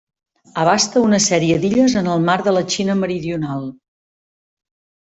Abasta una sèrie d'illes en el mar de la Xina Meridional.